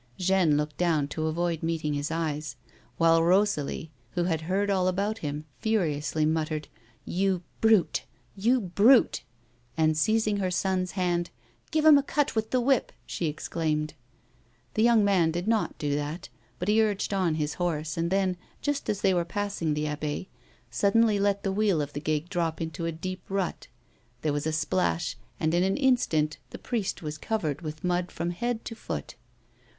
Jeanne looked down to avoid meeting his eyes, while Rosalie, who had heard all about him, furiously muttered :" You brute, you brute !" and seizing her son's hand, " Give him a cut with the whip !" she exclaimed. The young man did not 22 t A WOMAN'S LIFE. do that, but he urged on his horse and then, just as they were passing the Abbe, suddenly let the wheel of the gig drojD into a deep rut. There was a splash, and, in an inst; int, the priest was covered with mud from head to foot.